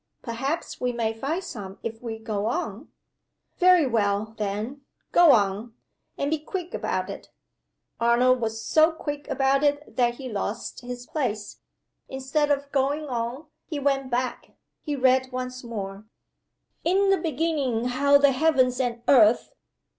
"Perhaps we may find some if we go on." "Very well, then. Go on. And be quick about it." Arnold was so quick about it that he lost his place. Instead of going on he went back. He read once more: "In the beginning how the heavens and earth.